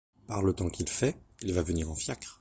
Par le temps qu’il fait il va venir en fiacre.